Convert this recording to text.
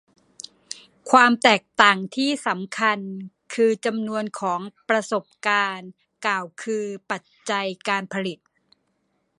ความแตกต่างที่สำคัญคือจำนวนของประสบการณ์กล่าวคือปัจจัยการผลิต